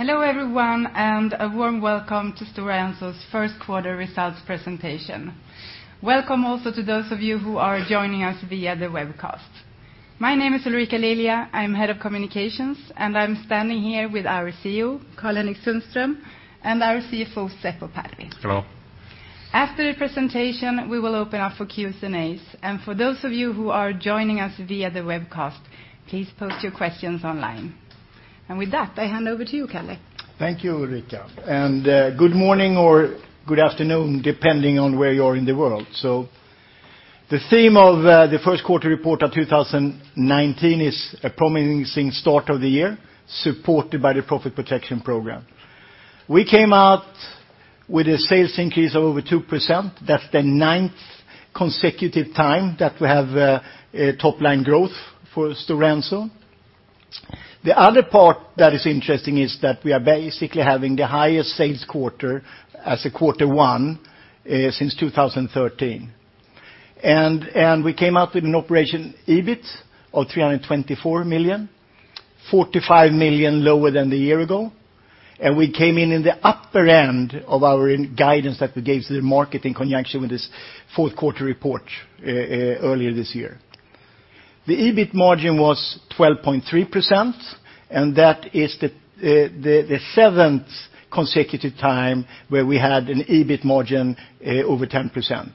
Hello, everyone, and a warm welcome to Stora Enso's first quarter results presentation. Welcome also to those of you who are joining us via the webcast. My name is Ulrika Lilja. I'm head of communications, and I'm standing here with our CEO, Karl-Henrik Sundström, and our CFO, Seppo Parvi. Hello. After the presentation, we will open up for Q&As. For those of you who are joining us via the webcast, please post your questions online. With that, I hand over to you, Karl. Thank you, Ulrika, and good morning or good afternoon, depending on where you are in the world. The theme of the first quarter report of 2019 is a promising start of the year, supported by the profit protection program. We came out with a sales increase of over 2%. That's the ninth consecutive time that we have top-line growth for Stora Enso. The other part that is interesting is that we are basically having the highest sales quarter as a quarter one since 2013. We came out with an operating EBIT of 324 million, 45 million lower than the year-ago, and we came in in the upper end of our guidance that we gave to the market in conjunction with this fourth quarter report earlier this year. The EBIT margin was 12.3%. That is the seventh consecutive time where we had an EBIT margin over 10%.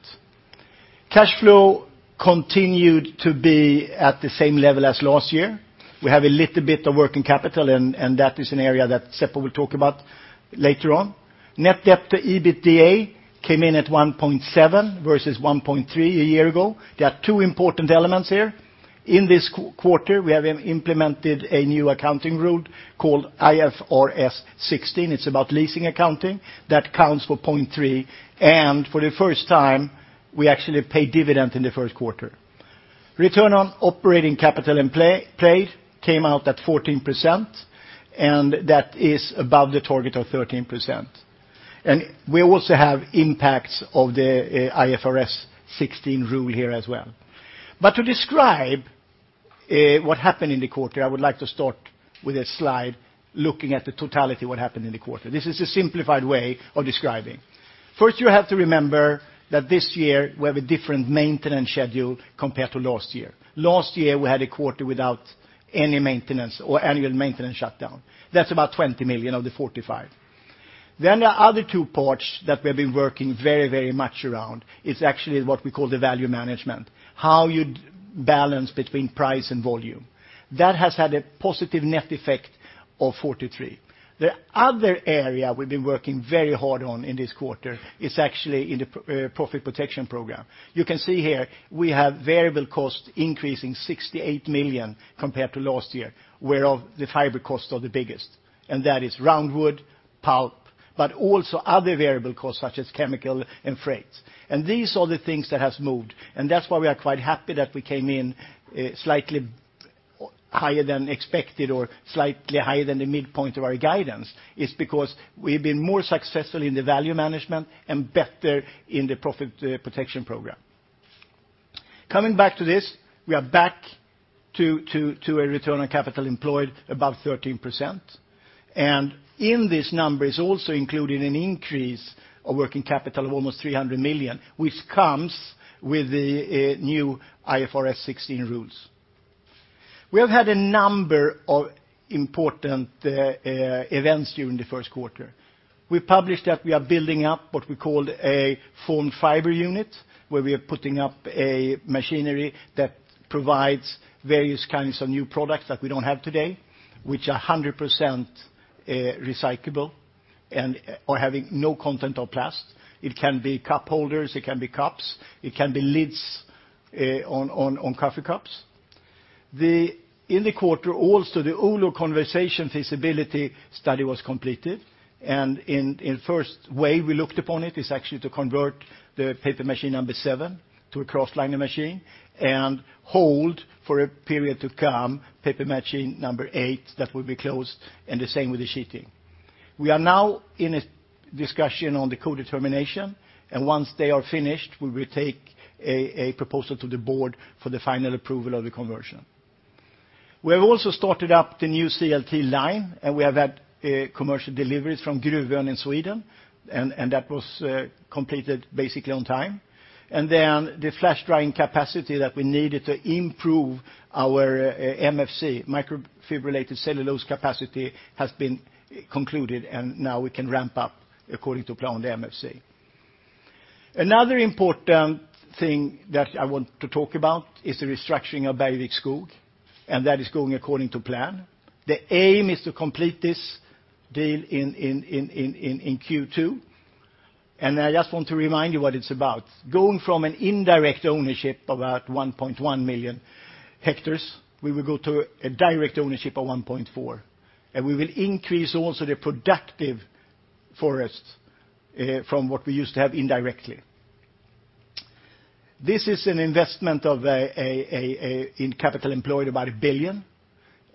Cash flow continued to be at the same level as last year. We have a little bit of working capital, and that is an area that Seppo will talk about later on. Net debt to EBITDA came in at 1.7 versus 1.3 a year-ago. There are two important elements here. In this quarter, we have implemented a new accounting rule called IFRS 16. It's about leasing accounting. That counts for 0.3. For the first time, we actually paid dividend in the first quarter. Return on operating capital employed came out at 14%, and that is above the target of 13%. We also have impacts of the IFRS 16 rule here as well. To describe what happened in the quarter, I would like to start with a slide looking at the totality of what happened in the quarter. This is a simplified way of describing. First, you have to remember that this year we have a different maintenance schedule compared to last year. Last year, we had a quarter without any maintenance or annual maintenance shutdown. That's about 20 million of the 45. The other two parts that we've been working very much around is actually what we call the value management, how you balance between price and volume. That has had a positive net effect of 43. The other area we've been working very hard on in this quarter is actually in the profit protection program. You can see here we have variable costs increasing 68 million compared to last year, whereof the fiber costs are the biggest, and that is round wood, pulp, but also other variable costs such as chemical and freights. These are the things that have moved, and that's why we are quite happy that we came in slightly higher than expected or slightly higher than the midpoint of our guidance is because we've been more successful in the value management and better in the profit protection program. Coming back to this, we are back to a return on capital employed above 13%, and in this number is also included an increase of working capital of almost 300 million, which comes with the new IFRS 16 rules. We have had a number of important events during the first quarter. We published that we are building up what we call a formed fiber unit, where we are putting up a machinery that provides various kinds of new products that we don't have today, which are 100% recyclable and are having no content of plastic. It can be cup holders, it can be cups, it can be lids on coffee cups. In the quarter also, the Oulu conversion feasibility study was completed, and in first way we looked upon it is actually to convert the paper machine number 7 to a cross liner machine and hold for a period to come paper machine number 8 that will be closed, and the same with the sheeting. We are now in a discussion on the co-determination, once they are finished, we will take a proposal to the board for the final approval of the conversion. We have also started up the new CLT line, we have had commercial deliveries from Gruvön in Sweden, and that was completed basically on time. The flash drying capacity that we needed to improve our MFC, microfibrillated cellulose capacity, has been concluded, and now we can ramp up according to plan the MFC. Another important thing that I want to talk about is the restructuring of Bergvik Skog, and that is going according to plan. The aim is to complete this deal in Q2. I just want to remind you what it's about. Going from an indirect ownership of about 1.1 million hectares, we will go to a direct ownership of 1.4 million hectares, and we will increase also the productive forest from what we used to have indirectly. This is an investment in capital employed about 1 billion,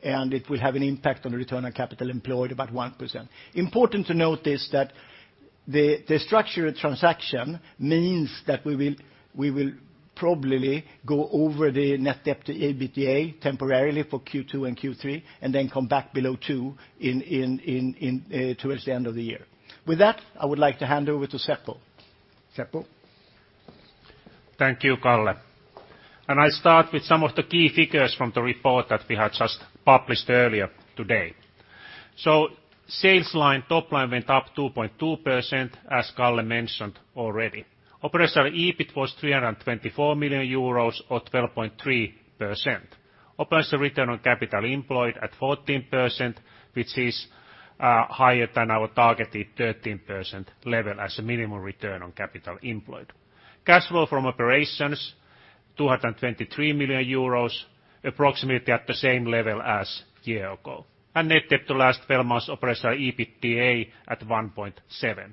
and it will have an impact on return on capital employed about 1%. Important to note is that the structured transaction means that we will probably go over the net debt to EBITDA temporarily for Q2 and Q3, and then come back below 2 towards the end of the year. With that, I would like to hand over to Seppo. Seppo? Thank you, Karl. I start with some of the key figures from the report that we have just published earlier today. Sales line, top line went up 2.2%, as Karl mentioned already. Operational EBIT was 324 million euros, or 12.3%. Operational return on capital employed at 14%, which is higher than our targeted 13% level as a minimum return on capital employed. Cash flow from operations, 223 million euros, approximately at the same level as a year ago. Net debt to last 12 months operational EBITDA at 1.7.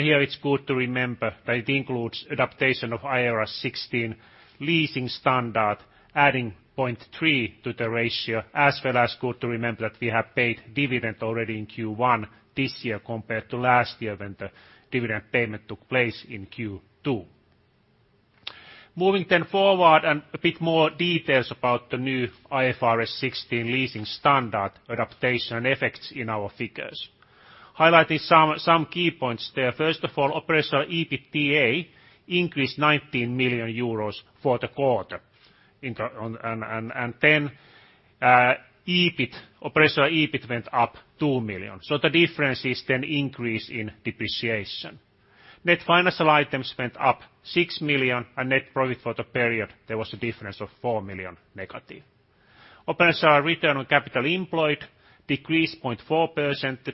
Here it's good to remember that it includes adaptation of IFRS 16 leasing standard, adding 0.3 to the ratio, as well as good to remember that we have paid dividend already in Q1 this year, compared to last year when the dividend payment took place in Q2. Moving forward a bit more details about the new IFRS 16 leasing standard adaptation effects in our figures. Highlighting some key points there. First of all, operational EBITDA increased EUR 19 million for the quarter. Operational EBIT went up 2 million, so the difference is then increase in depreciation. Net financial items went up 6 million and net profit for the period, there was a difference of 4 million negative. Operational return on capital employed decreased 0.4%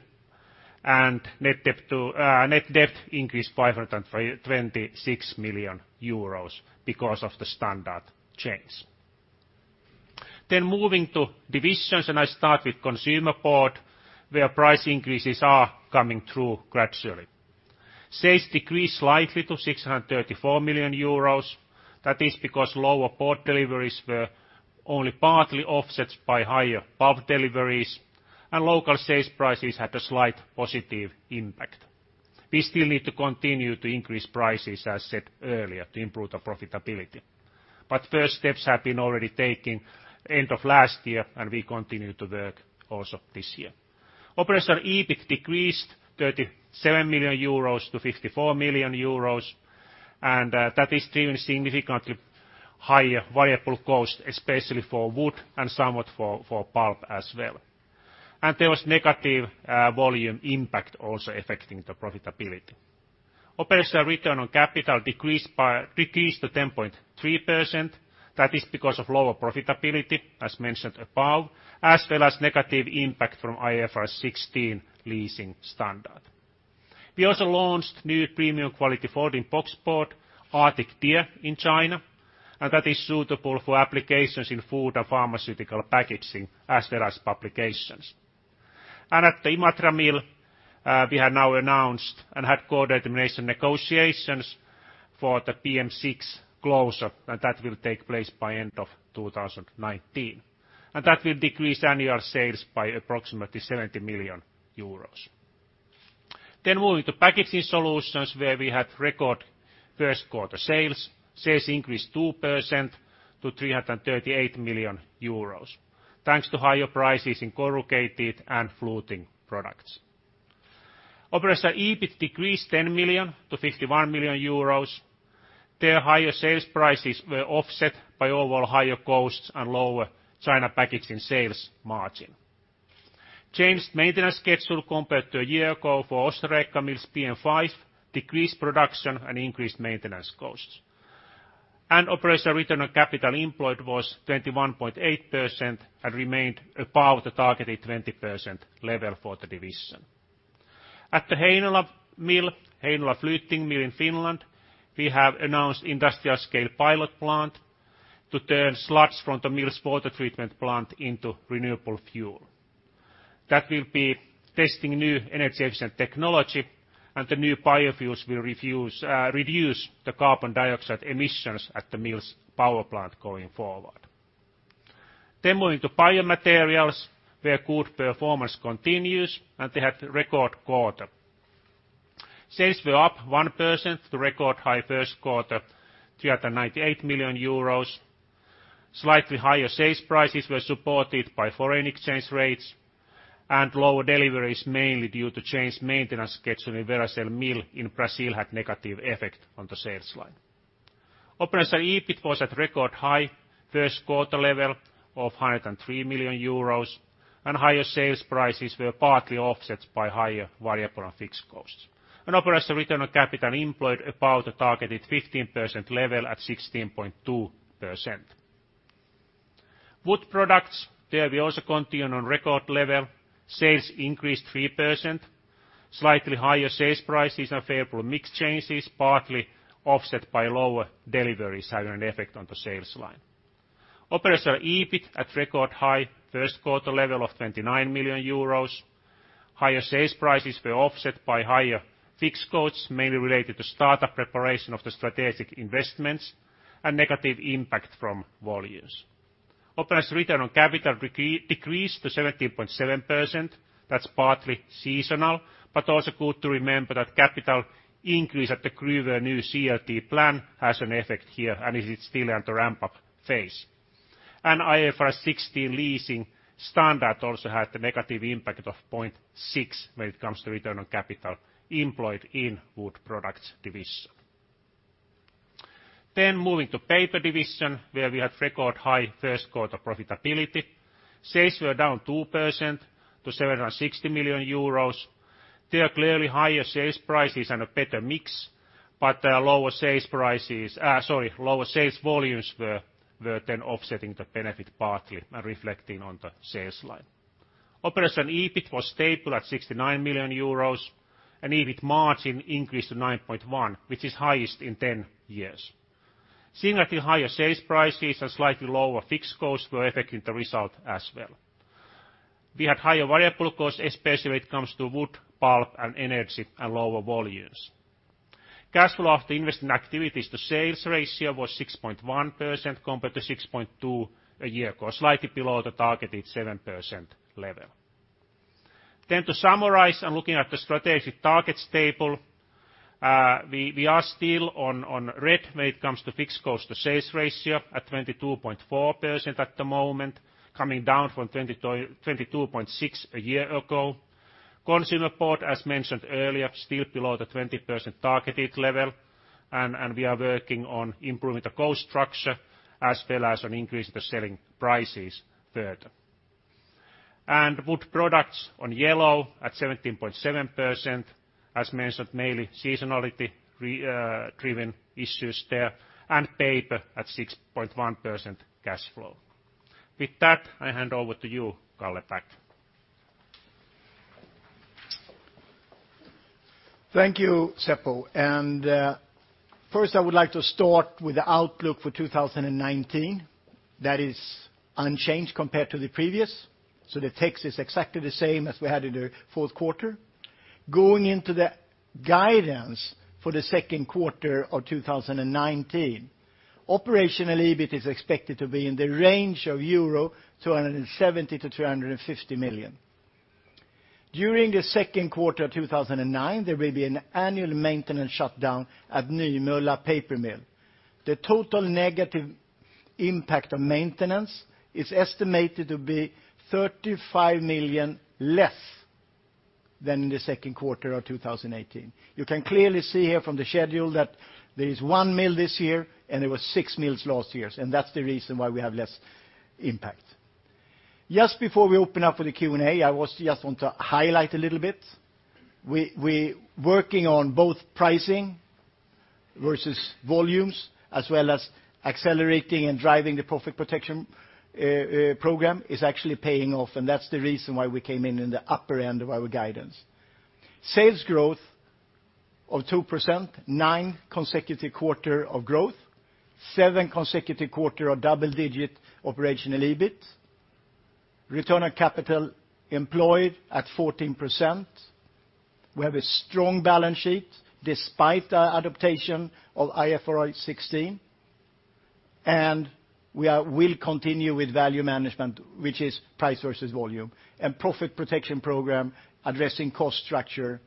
and net debt increased 526 million euros because of the standard change. Moving to divisions, I start with Consumer Board, where price increases are coming through gradually. Sales decreased slightly to 634 million euros. That is because lower board deliveries were only partly offset by higher pulp deliveries and local sales prices had a slight positive impact. We still need to continue to increase prices, as said earlier, to improve the profitability. First steps have been already taken end of last year and we continue to work also this year. Operational EBIT decreased 37 million euros to 34 million euros, that is driven significantly higher variable cost, especially for wood and somewhat for pulp as well. There was negative volume impact also affecting the profitability. Operational return on capital decreased to 10.3%. That is because of lower profitability, as mentioned above, as well as negative impact from IFRS 16 leasing standard. We also launched new premium quality folding boxboard, Arctic Deer, in China, that is suitable for applications in food and pharmaceutical packaging, as well as publications. At the Imatra mill we have now announced and had co-determination negotiations for the PM6 closure. That will take place by end of 2019. That will decrease annual sales by approximately 70 million euros. Moving to Packaging Solutions, where we had record first quarter sales. Sales increased 2% to 338 million euros thanks to higher prices in corrugated and fluting products. Operational EBIT decreased 10 million to 51 million euros. There, higher sales prices were offset by overall higher costs and lower China packaging sales margin. Changed maintenance schedule compared to a year ago for Ostrołęka mill's PM5, decreased production and increased maintenance costs. Operational return on capital employed was 21.8% and remained above the targeted 20% level for the division. At the Heinola mill, Heinola Fluting mill in Finland, we have announced industrial scale pilot plant to turn sludge from the mill's water treatment plant into renewable fuel. That will be testing new energy efficient technology and the new biofuels will reduce the carbon dioxide emissions at the mill's power plant going forward. Moving to Biomaterials, where good performance continues and they had record quarter. Sales were up 1% to record high first quarter, 398 million euros. Slightly higher sales prices were supported by foreign exchange rates and lower deliveries, mainly due to changed maintenance schedule in Veracel mill in Brazil had negative effect on the sales slide. Operational EBIT was at record high first quarter level of 103 million euros and higher sales prices were partly offset by higher variable and fixed costs. Operational return on capital employed above the targeted 15% level at 16.2%. Wood Products, there we also continue on record level. Sales increased 3%. Slightly higher sales prices and favorable mix changes, partly offset by lower deliveries having an effect on the sales line. Operational EBIT at record high first quarter level of 29 million euros. Higher sales prices were offset by higher fixed costs, mainly related to start-up preparation of the strategic investments and negative impact from volumes. Operating return on capital decreased to 17.7%. That's partly seasonal, but also good to remember that capital increase at the Gruvön new CLT plan has an effect here, and it is still under ramp-up phase. IFRS 16 leasing standard also had the negative impact of 0.6% when it comes to return on capital employed in Wood Products division. Moving to Paper division, where we had record high first quarter profitability. Sales were down 2% to 760 million euros. There are clearly higher sales prices and a better mix, but there are lower sales volumes were then offsetting the benefit partly and reflecting on the sales line. Operational EBIT was stable at 69 million euros, and EBIT margin increased to 9.1%, which is highest in ten years. Slightly higher sales prices and slightly lower fixed costs were affecting the result as well. We had higher variable costs, especially when it comes to wood, pulp, and energy, and lower volumes. Cash flow after investing activities to sales ratio was 6.1% compared to 6.2% a year ago, slightly below the targeted 7% level. To summarize and looking at the strategic targets table, we are still on red when it comes to fixed cost to sales ratio at 22.4% at the moment, coming down from 22.6% a year ago. Consumer Board, as mentioned earlier, still below the 20% targeted level, and we are working on improving the cost structure as well as on increasing the selling prices further. Wood Products on yellow at 17.7%, as mentioned, mainly seasonality-driven issues there, and Paper at 6.1% cash flow. With that, I hand over to you, Karl. Thank you, Seppo. First I would like to start with the outlook for 2019. That is unchanged compared to the previous, so the text is exactly the same as we had in the fourth quarter. Going into the guidance for the second quarter of 2019, operational EBIT is expected to be in the range of euro 270 million-350 million. During the second quarter of 2019, there will be an annual maintenance shutdown at Nymölla paper mill. The total negative impact of maintenance is estimated to be 35 million less than in the second quarter of 2018. You can clearly see here from the schedule that there is one mill this year, and there were six mills last year, and that's the reason why we have less impact. Just before we open up for the Q&A, I just want to highlight a little bit. We working on both pricing versus volumes, as well as accelerating and driving the profit protection program is actually paying off, and that's the reason why we came in in the upper end of our guidance. Sales growth of 2%, nine consecutive quarter of growth, seven consecutive quarter of double-digit operational EBIT. Return on capital employed at 14%. We have a strong balance sheet despite the adaptation of IFRS 16, and we will continue with value management, which is price versus volume. Profit protection program addressing cost structure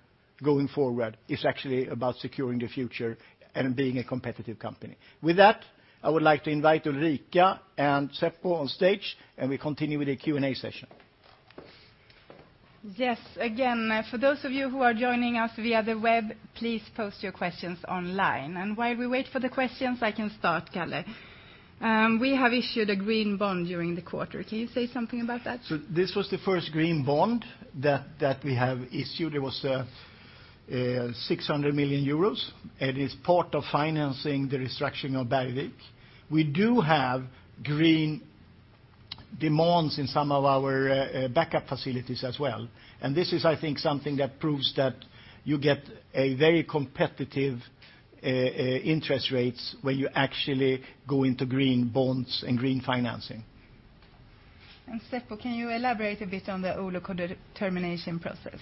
going forward is actually about securing the future and being a competitive company. With that, I would like to invite Ulrika and Seppo on stage, and we continue with the Q&A session. Yes, again, for those of you who are joining us via the web, please post your questions online. While we wait for the questions, I can start, Karl. We have issued a green bond during the quarter. Can you say something about that? This was the first green bond that we have issued. It was 600 million euros, it's part of financing the restructuring of Bergvik. We do have green demands in some of our backup facilities as well, this is, I think, something that proves that you get a very competitive interest rates when you actually go into green bonds and green financing. Seppo, can you elaborate a bit on the Oulu co-determination process?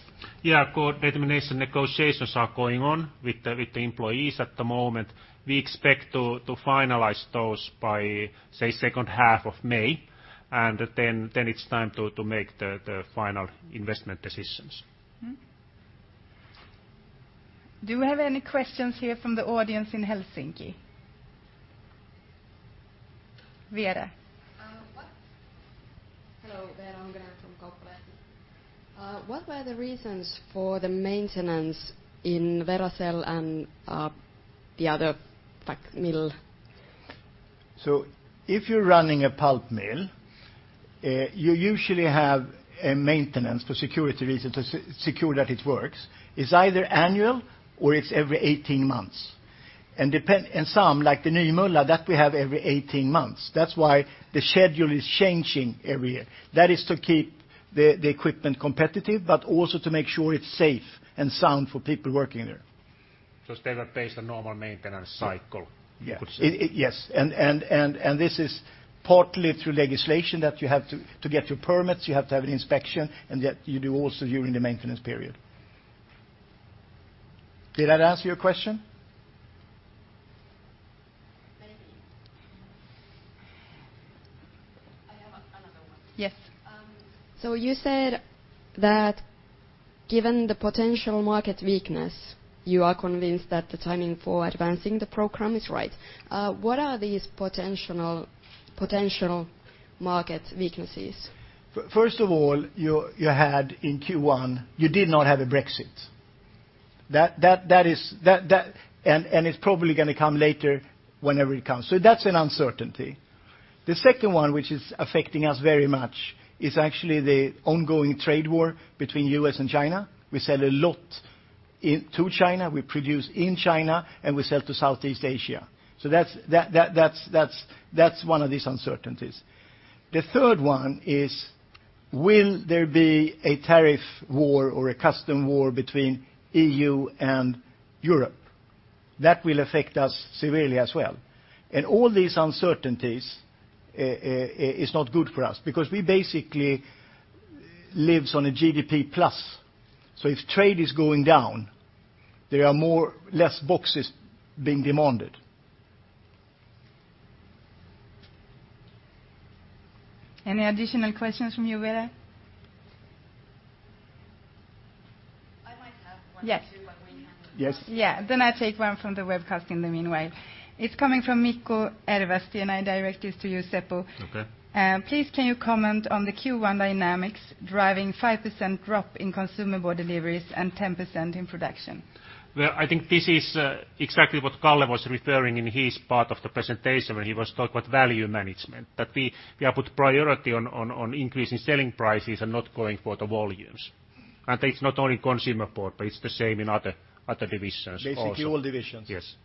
Co-determination negotiations are going on with the employees at the moment. We expect to finalize those by, say, second half of May, then it's time to make the final investment decisions. Do we have any questions here from the audience in Helsinki? Vera. Hello, Vera Almgren from Kauppalehti. What were the reasons for the maintenance in Veracel and the other mill? If you're running a pulp mill, you usually have a maintenance for security reasons to secure that it works. It's either annual or it's every 18 months. Some, like the Nymölla, that we have every 18 months. That's why the schedule is changing every year. That is to keep the equipment competitive, but also to make sure it's safe and sound for people working there. Standard-based on normal maintenance cycle, you could say. Yes, this is partly through legislation that you have to get your permits, you have to have an inspection, and that you do also during the maintenance period. Did that answer your question? Maybe. I have another one. Yes. You said that given the potential market weakness, you are convinced that the timing for advancing the program is right. What are these potential market weaknesses? First of all, you had in Q1, you did not have a Brexit. It's probably going to come later, whenever it comes. That's an uncertainty. The second one, which is affecting us very much, is actually the ongoing trade war between U.S. and China. We sell a lot to China. We produce in China, and we sell to Southeast Asia. That's one of these uncertainties. The third one is, will there be a tariff war or a custom war between EU and Europe? That will affect us severely as well. All these uncertainties is not good for us because we basically lives on a GDP plus. If trade is going down, there are less boxes being demanded. Any additional questions from you, Vera? I might have one or two. Yes We can move on. Yes. Yeah. I take one from the webcast in the meanwhile. It's coming from Mikko Ervasti, and I direct this to you, Seppo. Okay. Please, can you comment on the Q1 dynamics driving 5% drop in consumer board deliveries and 10% in production? Well, I think this is exactly what Karl was referring in his part of the presentation when he was talk about value management, that we have put priority on increasing selling prices and not going for the volumes. It's not only consumer board, but it's the same in other divisions also. Basically all divisions. Yes.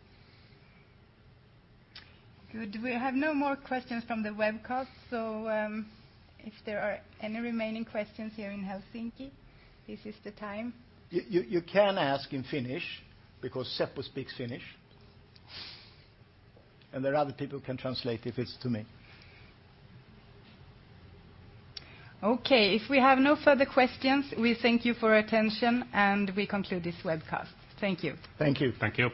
Good. We have no more questions from the webcast. If there are any remaining questions here in Helsinki, this is the time. You can ask in Finnish because Seppo speaks Finnish. There are other people who can translate if it's to me. Okay, if we have no further questions, we thank you for attention, and we conclude this webcast. Thank you. Thank you. Thank you.